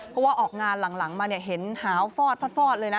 เพราะว่าออกงานหลังมาเห็นหาวฟอดเลยนะ